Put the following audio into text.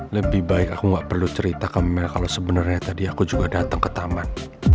lebih baik aku gak perlu cerita ke mel kalau sebenarnya tadi aku juga datang ke taman